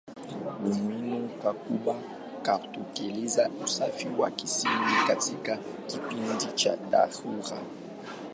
Ni muhimu kukumbuka kutekeleza usafi wa kimsingi katika kipindi cha dharura.